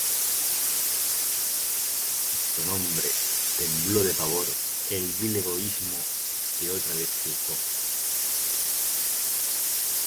A este santo nombre tembló de pavor el vil egoísmo que otra vez triunfó.